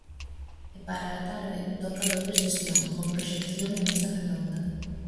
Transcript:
E para a tarde, toca dobre sesión, con proxección e mesa redonda.